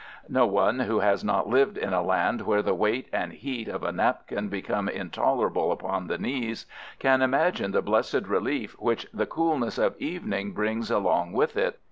No one who has not lived in a land where the weight and heat of a napkin become intolerable upon the knees can imagine the blessed relief which the coolness of evening brings along with it.